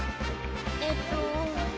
えっと。